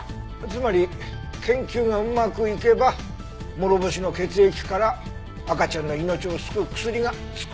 つまり研究がうまくいけば諸星の血液から赤ちゃんの命を救う薬が作れるって事だな。